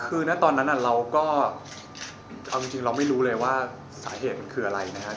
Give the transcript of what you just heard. คือณตอนนั้นเราก็เอาจริงเราไม่รู้เลยว่าสาเหตุมันคืออะไรนะครับ